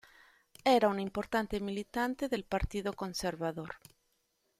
Era un importante militante del Partido Conservador.